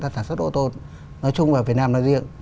sản xuất ô tô nói chung và việt nam nói riêng